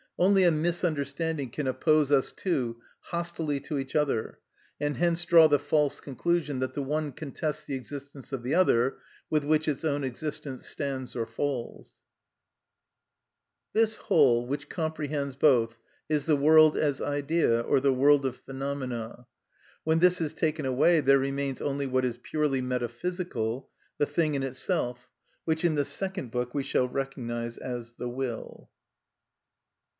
Only a misunderstanding can oppose us two hostilely to each other, and hence draw the false conclusion that the one contests the existence of the other, with which its own existence stands or falls. ‐‐‐‐‐‐‐‐‐‐‐‐‐‐‐‐‐‐‐‐‐‐‐‐‐‐‐‐‐‐‐‐‐‐‐‐‐ This whole, which comprehends both, is the world as idea, or the world of phenomena. When this is taken away there remains only what is purely metaphysical, the thing in itself, which in the second book we shall recognise as the will.